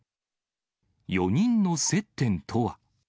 ４人の接点とは。